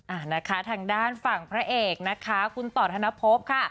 อ่านะคะทางด้านฝั่งพระเอกนะคะคุณต่อธนภพค่ะ